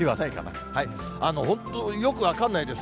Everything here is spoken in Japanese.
本当、よく分からないです。